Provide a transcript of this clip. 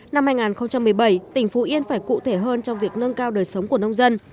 năm hai nghìn một mươi bảy tỉnh phú yên phải cụ thể hơn trong việc nâng cao đời sống của nông dân